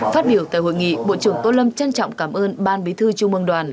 phát biểu tại hội nghị bộ trưởng tô lâm trân trọng cảm ơn ban bi thư chung mương đoàn